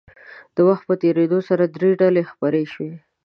د وخت په تېرېدو سره درې ډلې خپرې شوې.